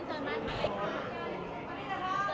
เพลงพี่หวาย